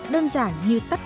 đơn giản như tắt